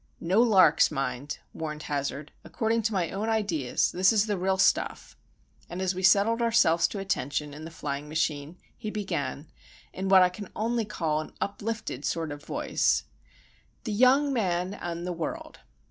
"No larks, mind," warned Hazard. "According to my own ideas this is the real stuff." And, as we settled ourselves to attention in the flying machine, he began, in what I can only call an "uplifted" sort of voice,— THE YOUNG MAN AND THE WORLD.